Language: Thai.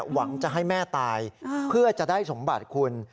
หวังจะให้แม่ตายเพื่อจะได้สมบัติคุณ